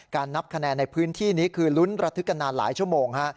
นับคะแนนในพื้นที่นี้คือลุ้นระทึกกันนานหลายชั่วโมงฮะ